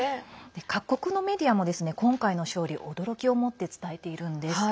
各国のメディアも今回の勝利驚きをもって伝えているんです。